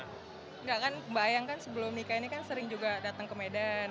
enggak kan mbak ayang kan sebelum nikah ini kan sering juga datang ke medan